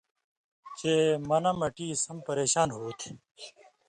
چے منہ مٹی سم پریشان ہو تھی